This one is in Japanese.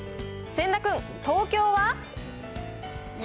千田君、東京は？